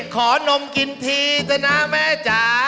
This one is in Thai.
ขอนมกินทีจะนะแม่จ๋า